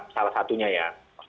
salah satunya ya